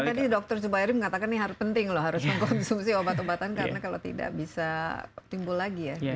tadi dokter zubairi mengatakan ini penting loh harus mengkonsumsi obat obatan karena kalau tidak bisa timbul lagi ya